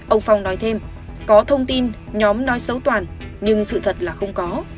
ông phong nói thêm có thông tin nhóm nói xấu toàn nhưng sự thật là không có